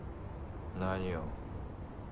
「何を？」